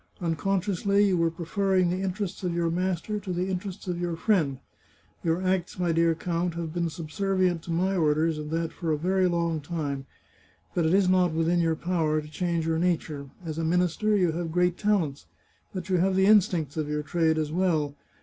Unconsciously, you were pre ferring the interests of your master to the interests of your friend. Your acts, my dear count, have been subser vient to my orders, and that for a very long time. But it is not within your power to change your nature. As a minister you have great talents, but you have the instincts of your trade as well.